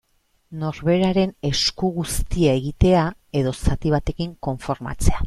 Norberaren esku guztia egitea, edo zati batekin konformatzea.